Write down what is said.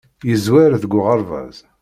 Yeẓwer deg uɣerbaz.